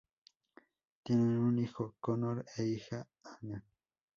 Tienen un hijo, Connor e hija, Hannah.